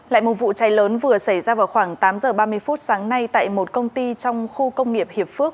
lại một vụ cháy lớn vừa xảy ra vào khoảng tám giờ ba mươi phút sáng nay tại một công ty trong khu công nghiệp hiệp phước